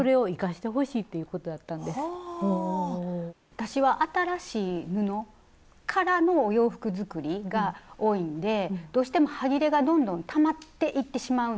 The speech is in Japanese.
私は新しい布からのお洋服作りが多いんでどうしてもはぎれがどんどんたまっていってしまうんですね。